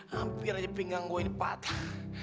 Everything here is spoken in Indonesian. hampir aja pinggang gue dipatah